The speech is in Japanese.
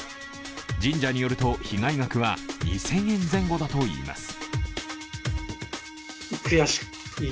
神社によると、被害額は２０００円前後だといいます。